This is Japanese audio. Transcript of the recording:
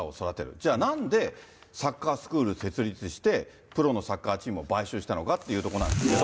じゃあ、なんでサッカースクール設立して、プロのサッカーチームを買収したのかっていうところなんですけど。